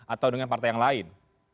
atau dengan partai yang lain